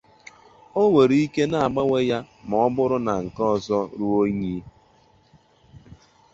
o nwere ike na-agbanwe ya ma ọ bụrụ na nke ọzọ ruo unyi